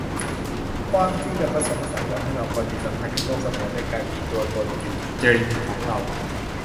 ความจริงแบบผสมผสานยอมให้เราปฏิสัมพันธ์กับโลกเสมือนในการมีตัวตนอยู่จริงของเรา